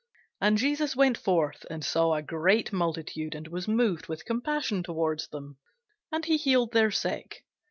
And Jesus went forth, and saw a great multitude, and was moved with compassion toward them, and he healed their sick.